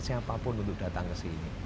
siapapun untuk datang ke sini